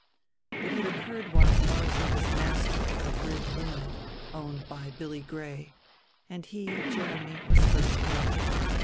It had occurred while Barzil was master of the brig Luna, owned by Billy Gray, and he, Jeremy, was first mate.